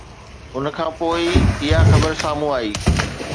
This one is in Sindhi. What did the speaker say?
ان کانپوءِ ئي اها خبر سامهون آئي